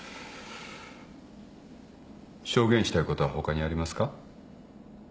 証言したいことは他にありますか。